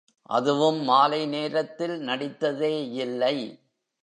அதுவும் மாலை நேரத்தில் நடித்ததேயில்லை.